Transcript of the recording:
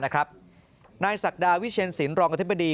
นายศักดาวิเชียนสินรองอธิบดี